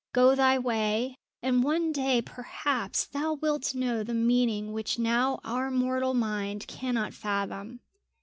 Go thy way, and one day perhaps thou wilt know the meaning which now our mortal mind cannot fathom.